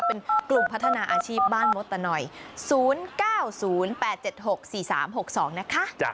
เป็นกลุ่มพัฒนาอาชีพบ้านมดตนอย๐๙๐๘๗๖๔๓๖๒นะคะ